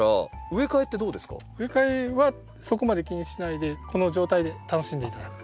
植え替えはそこまで気にしないでこの状態で楽しんで頂く。